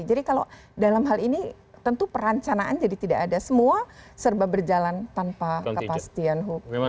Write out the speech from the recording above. jadi kalau dalam hal ini tentu perancanaan jadi tidak ada semua serba berjalan tanpa kepastian hukum